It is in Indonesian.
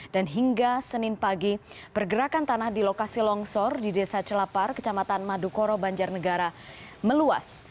dan hingga senin pagi pergerakan tanah di lokasi longsor di desa celapar kecamatan madukoro banjarnegara meluas